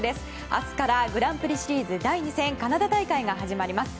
明日からグランプリシリーズ第２戦カナダ大会が始まります。